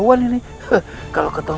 panjang apa setuju